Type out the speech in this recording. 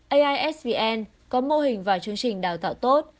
aisvn có mô hình và chương trình đào tạo tốt